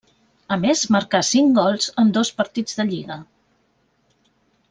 A més, marcà cinc gols en dos partits de lliga.